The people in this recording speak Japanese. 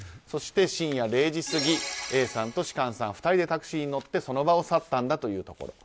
そして深夜０時過ぎＡさんと芝翫さん２人でタクシーに乗ってその場を去ったんだということ。